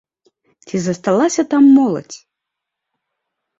Ці засталася там моладзь?